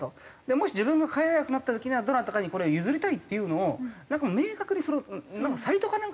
もし自分が飼えなくなった時にはどなたかにこれを譲りたいっていうのをなんか明確にそれをサイトかなんかで出しておいて。